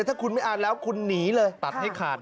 ถ้าคุณไม่อ่านแล้วคุณหนีเลย